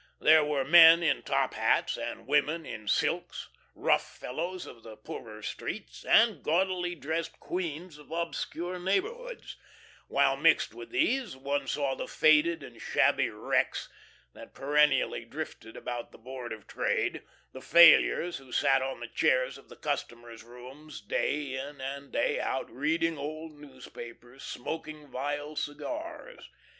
There were men in top hats, and women in silks; rough fellows of the poorer streets, and gaudily dressed queens of obscure neighborhoods, while mixed with these one saw the faded and shabby wrecks that perennially drifted about the Board of Trade, the failures who sat on the chairs of the customers' rooms day in and day out, reading old newspapers, smoking vile cigars.